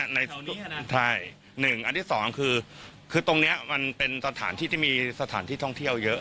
แถวนี้ค่ะนะใช่หนึ่งอันที่สองคือคือตรงนี้มันเป็นสถานที่ที่มีสถานที่ท่องเที่ยวเยอะ